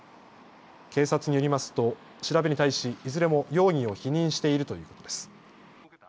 警察によりますと調べに対しいずれも容疑を否認しているということです。